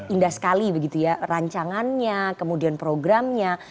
indah sekali begitu ya rancangannya kemudian programnya